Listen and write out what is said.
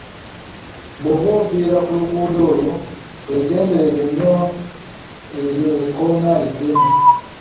Bw'oba ovugira ku luguudo olwo, weegendereze nnyo eryo ekkoona eddene.